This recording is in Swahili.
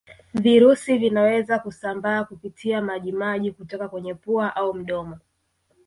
Virusi vinaweza kusambaa kupitia maji maji kutoka kwenye pua au mdomo